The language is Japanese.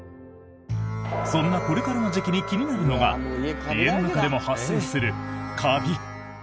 そんなこれからの時期に気になるのが家の中でも発生するカビ。